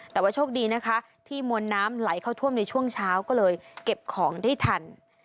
แต่ว่าโชคดีนะคะที่มวลน้ำไหลเข้าท่วมในช่วงเช้าก็เลยเก็บของได้ทัน